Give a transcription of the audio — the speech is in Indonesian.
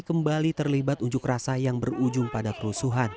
kembali terlibat unjuk rasa yang berujung pada kerusuhan